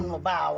tidak ini madu